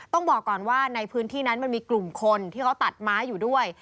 ต้องบอกก่อนว่าในพื้นที่นั้นมันมีกลุ่มคนที่เขาตัดไม้อยู่ด้วย